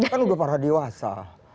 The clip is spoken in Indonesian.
kan udah para dewasa